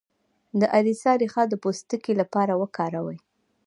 د اریسا ریښه د پوستکي لپاره وکاروئ